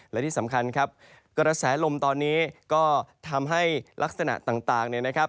และที่สำคัญครับกระแสลมตอนนี้ก็ทำให้ลักษณะต่างเนี่ยนะครับ